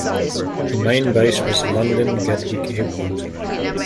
The main base was London Gatwick Airport.